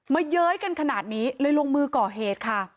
เย้ยกันขนาดนี้เลยลงมือก่อเหตุค่ะ